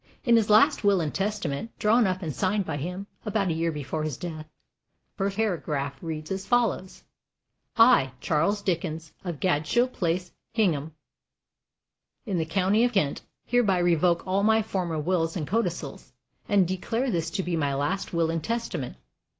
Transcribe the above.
In his last will and testament, drawn up and signed by him about a year before his death, the first paragraph reads as follows: I, Charles Dickens, of Gadshill Place, Higham, in the county of Kent, hereby revoke all my former wills and codicils and declare this to be my last will and testament.